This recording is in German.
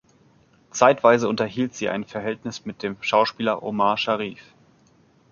Zeitweise unterhielt sie ein Verhältnis mit dem Schauspieler Omar Sharif.